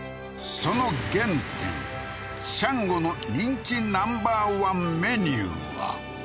その原点シャンゴの人気Ｎｏ．１メニューは？